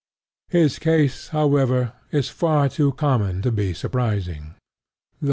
His case, however, is far too common to be surprising.